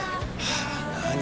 何？